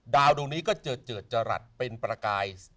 ดวงนี้ก็เจอเจิดจรัสเป็นประกาย